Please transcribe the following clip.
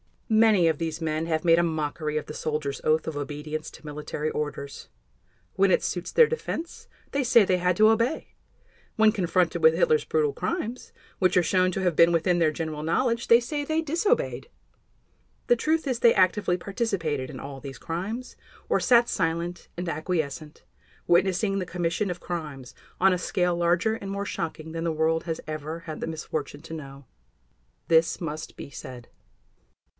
Many of these men have made a mockery of the soldier's oath of obedience to military orders. When it suits their defense they say they had to obey; when confronted with Hitler's brutal crimes, which are shown to have been within their general knowledge, they say they disobeyed. The truth is they actively participated in all these crimes, or sat silent and acquiescent, witnessing the commission of crimes on a scale larger and more shocking than the world has ever had the misfortune to know. This must be said.